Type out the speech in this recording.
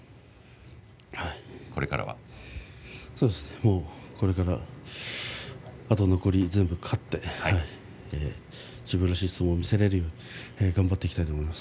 これからあと残り全部勝って自分らしい相撲が見せられるように頑張っていきたいと思います。